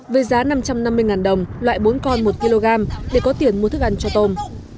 với giá năm trăm năm mươi đồng loại bốn con một kg để có tiền mua thức ăn cho tôm